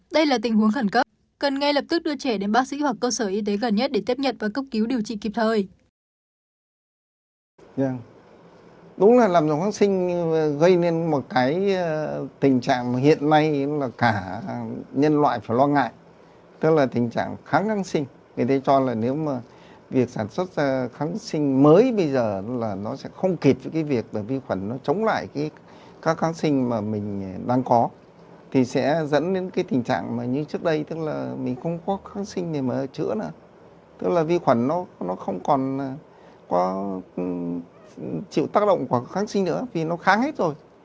đây là tình huống khẩn cấp cần ngay lập tức đưa trẻ đến bác sĩ hoặc cơ sở y tế gần nhất để tiếp nhận và cấp cứu điều trị kịp thời